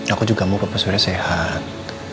aku juga mau bapak surya sehat